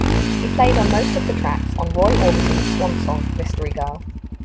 He played on most of the tracks on Roy Orbison's swansong "Mystery Girl".